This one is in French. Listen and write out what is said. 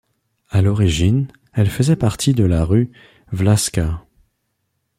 À l'origine, elle faisait partie de la rue Vlašská.